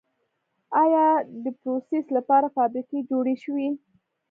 آیا دپروسس لپاره فابریکې جوړې شوي؟